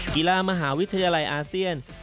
กีฬามหาวิทยาลัยอาเซียน